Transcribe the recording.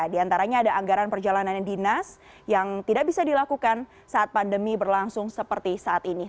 di antaranya ada anggaran perjalanan dinas yang tidak bisa dilakukan saat pandemi berlangsung seperti saat ini